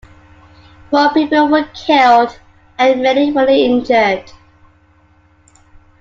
Four people were killed and many were injured.